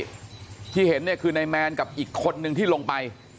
เจ้าหน้าที่เห็นได้คือในแมนกับอีกคนหนึ่งที่ลงไป